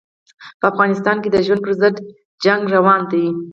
په افغانستان کې د ژوند پر ضد جګړه روانه ده.